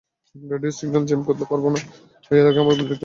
Radio signal jam করতে পারব না, ঐ এলাকায় আমার মিলিটারি অপারেশন চলছে।